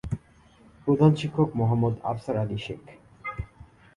প্রধান শিক্ষক মোহাম্মদ আফসার আলি শেখ।